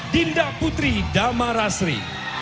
dinda putri dhamarasri